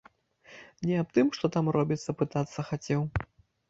Не аб тым, што там робіцца, пытацца хацеў.